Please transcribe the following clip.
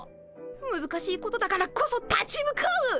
むずかしいことだからこそ立ち向かう。